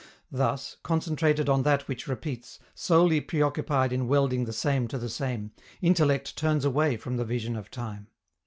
Thus, concentrated on that which repeats, solely preoccupied in welding the same to the same, intellect turns away from the vision of time.